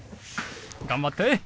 頑張って。